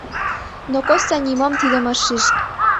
Но Костя нимом тидым ыш шиж.